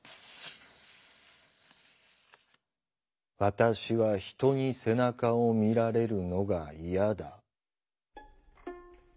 「私は人に背中を見られるのが嫌だ」。